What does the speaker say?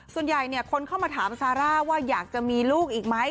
ส่วนใหญ่คนเข้ามาถามซาร่าว่าอยากจะมีลูกอีกไหม